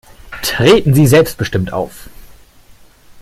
Treten Sie selbstbestimmt auf.